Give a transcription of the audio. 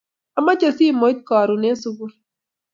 amache simot karun en sukul